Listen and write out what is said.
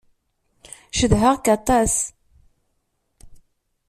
Cedhaɣ-k aṭas.